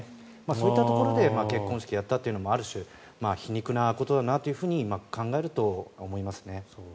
そういったところで結婚式をやったというのもある種、皮肉なことだなと考えると思いますね。